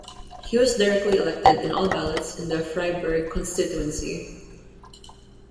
He was directly elected in all ballots in the Freiburg constituency.